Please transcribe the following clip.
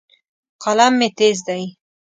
قلم مې تیز دی.